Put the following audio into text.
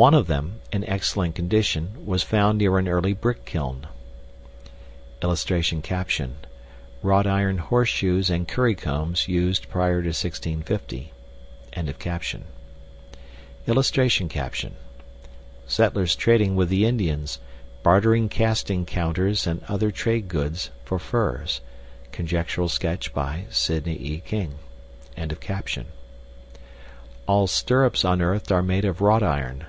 One of them, in excellent condition, was found near an early brick kiln. [Illustration: WROUGHT IRON HORSESHOES AND CURRYCOMBS USED PRIOR TO 1650.] [Illustration: SETTLERS TRADING WITH THE INDIANS BARTERING CASTING COUNTERS AND OTHER TRADE GOODS FOR FURS. (Conjectural sketch by Sidney E. King.)] All stirrups unearthed are made of wrought iron.